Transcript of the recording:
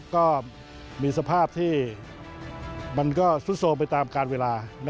ก็มีสภาพที่มันก็ซุดโทรมไปตามการเวลา